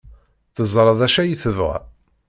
Teẓra d acu ay tebɣa.